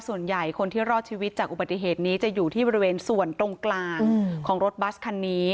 ส่วนใหญ่คนที่รอดชีวิตจากอุบัติเหตุนี้จะอยู่ที่บริเวณส่วนตรงกลางของรถบัสคันนี้